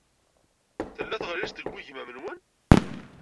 Tella tɣellist deg wegmam-nwen?